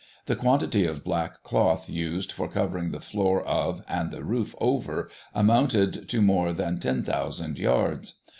The quantity of black cloth used for covering the floor of, and the roof over, amounted to more than 10,000 yards.